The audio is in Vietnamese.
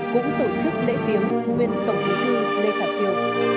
cũng tổ chức lễ viếng nguyên tổng bí thư lê khả phiêu